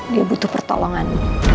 dia butuh pertolongan